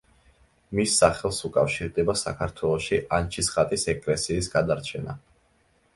მის სახელს უკავშირდება საქართველოში ანჩისხატის ეკლესიის გადარჩენა.